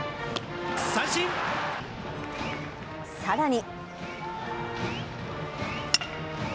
さらに。